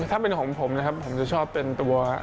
ถ้าเป็นของผมนะครับผมจะชอบเป็นตัว